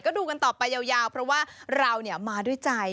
ก็ดูกันต่อไปยาวเพราะว่าเรามาด้วยใจ